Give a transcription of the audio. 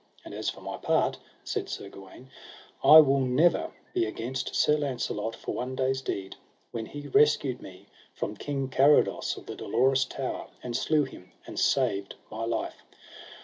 And as for my part, said Sir Gawaine, I will never be against Sir Launcelot for one day's deed, when he rescued me from King Carados of the Dolorous Tower, and slew him, and saved my life.